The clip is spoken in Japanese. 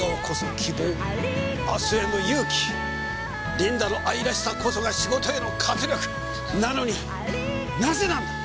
リンダの愛らしさこそが仕事への活力！なのになぜなんだ！